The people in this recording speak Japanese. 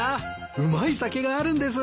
うまい酒があるんです。